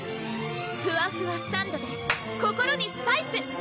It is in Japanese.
ふわふわサンドｄｅ心にスパイス！